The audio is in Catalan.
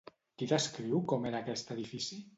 Qui descriu com era aquest edifici?